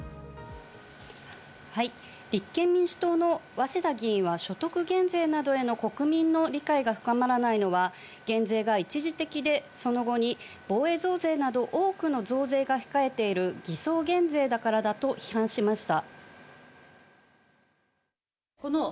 はい、立憲民主党の早稲田議員は所得減税などへの国民の理解が深まらないのは減税が一時的で、その後に防衛増税など多くの増税が控えている偽装減税だからだと批判しました。